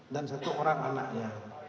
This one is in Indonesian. dan satu orang anaknya